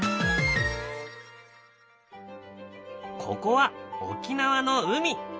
ここは沖縄の海。